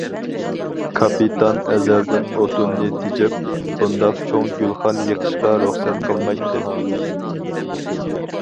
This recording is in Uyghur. كاپىتان ئەزەلدىن ئوتۇننى تېجەپ، بۇنداق چوڭ گۈلخان يېقىشقا رۇخسەت قىلمايتتى.